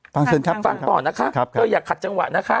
เชิญครับฟังต่อนะคะเธออย่าขัดจังหวะนะคะ